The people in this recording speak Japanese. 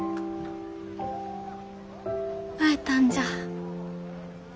会えたんじゃ。